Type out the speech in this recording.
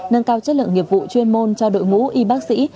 nâng cao chất lượng nghiệp vụ chuyên môn cho đội ngũ y bác sĩ